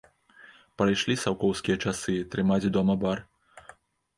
Прайшлі саўкоўскія часы трымаць дома бар!